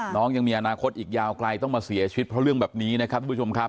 น้องยังมีอนาคตอีกยาวไกลต้องมาเสียชีวิตเพราะเรื่องแบบนี้นะครับทุกผู้ชมครับ